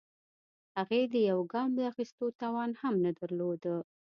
هغې د يوه ګام د اخيستو توان هم نه درلوده.